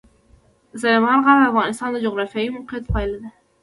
سلیمان غر د افغانستان د جغرافیایي موقیعت پایله ده.